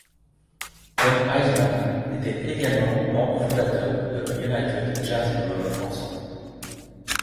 Jon Hiseman était également membre fondateur de United Jazz and Rock Ensemble.